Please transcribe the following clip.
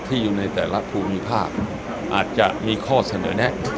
อยู่ในแต่ละภูมิภาคอาจจะมีข้อเสนอแนะ